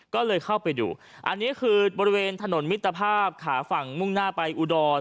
ก็เลยเข้าไปดูอันนี้คือบริเวณถนนมิตรภาพขาฝั่งมุ่งหน้าไปอุดร